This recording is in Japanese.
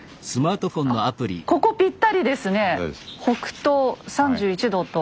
あっここぴったりですね。